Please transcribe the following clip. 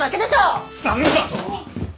何だと！